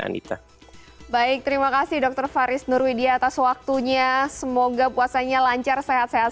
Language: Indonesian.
anita baik terima kasih dokter faris nurwidia atas waktunya semoga puasanya lancar sehat sehat